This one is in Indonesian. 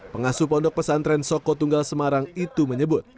pengasuh pondok pesantren soko tunggal semarang itu menyebut